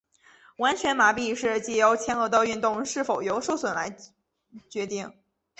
完全麻痹是藉由前额的运动是否有受损来决定。